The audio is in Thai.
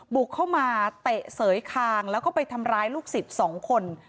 บุกเข้ามาเตะเสยคางแล้วก็ไปทำร้ายลูกศิษย์สองคน